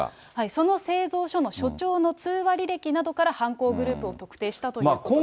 その製造所の所長の通話履歴などから犯行グループを特定したということです。